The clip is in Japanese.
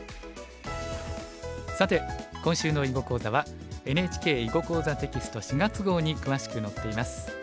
さて今週の囲碁講座はＮＨＫ「囲碁講座」テキスト４月号に詳しく載っています。